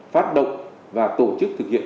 phát động và tổ chức thực hiện